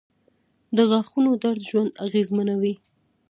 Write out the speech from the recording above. • د غاښونو درد ژوند اغېزمنوي.